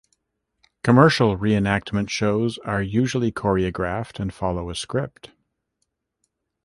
Commercial reenactment shows are usually choreographed and follow a script.